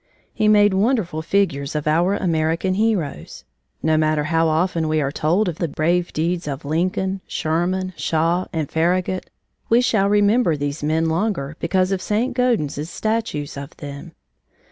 He made wonderful figures of our American heroes. No matter how often we are told of the brave deeds of Lincoln, Sherman, Shaw, and Farragut, we shall remember these men longer because of St. Gaudens's statues of them.